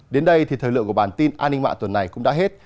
đến đây thì thời lượng của bản tin an ninh mạng tuần này cũng đã hết